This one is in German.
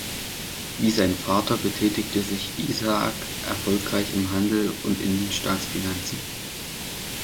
Wie sein Vater betätigte sich Isaak erfolgreich im Handel und in den Staatsfinanzen.